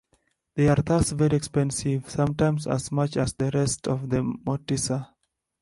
They are thus very expensive, sometimes as much as the rest of the mortiser.